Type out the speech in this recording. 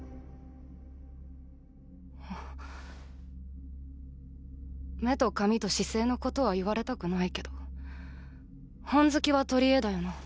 あっ目と髪と姿勢のことは言われたくないけど本好きは取り柄だよな